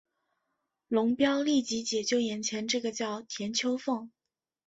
龙飙立即解救眼前这个叫田秋凤。